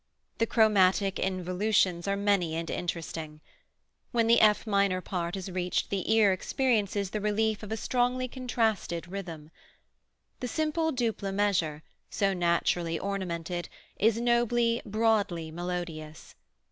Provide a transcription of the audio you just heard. The chromatic involutions are many and interesting. When the F minor part is reached the ear experiences the relief of a strongly contrasted rhythm. The simple duple measure, so naturally ornamented, is nobly, broadly melodious.